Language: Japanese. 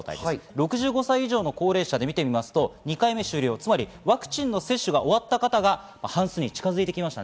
６５歳以上の高齢者で見ると２回目終了をワクチンの接種が終わった方が半数に近づいてきました。